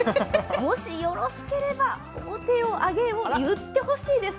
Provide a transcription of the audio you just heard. もしよろしければ面を上げいを言ってほしいです